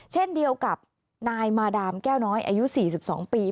เช่นเดียวกับนายมาดามแก้วน้อยอายุ๔๒ปี